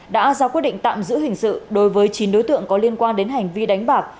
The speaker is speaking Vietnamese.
đã ra quyết định tạm giữ hình sự đối với chín đối tượng có liên quan đến hành vi đánh bạc